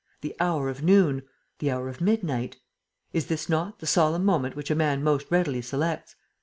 The hour of noon! The hour of midnight! Is this not the solemn moment which a man most readily selects?